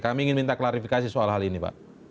kami ingin minta klarifikasi soal hal ini pak